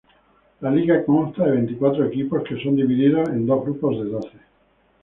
La liga consta de veinticuatro equipos, que son divididos en dos grupos de doce.